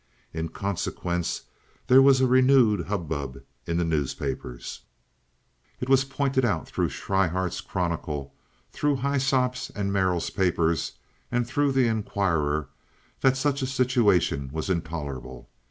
In consequence there was a renewed hubbub in the newspapers. It was pointed out through Schryhart's Chronicle, through Hyssop's and Merrill's papers, and through the Inquirer that such a situation was intolerable.